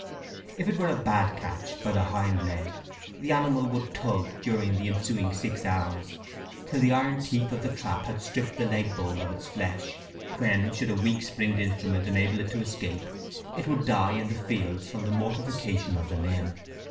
If it were a "bad catch" by the hind leg, the animal would tug during the ensuing six hours till the iron teeth of the trap had stripped the leg bone of its flesh, when, should a weak springed instrument enable it to escape, it would die in the fields from the mortification of the limb.